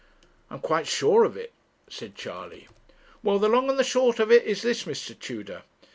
'I'm quite sure of it,' said Charley. 'Well, the long and the short of it is this, Mr. Tudor.'